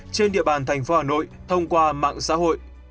trên địa bàn thành phố hà nội thông qua mạng xã hội